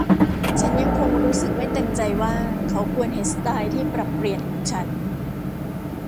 ฉันยังคงรู้สึกไม่เต็มใจว่าเขาควรเห็นสไตล์ที่ปรับเปลี่ยนของฉัน